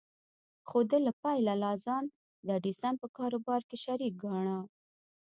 خو ده له پيله لا ځان د ايډېسن په کاروبار کې شريک ګاڼه.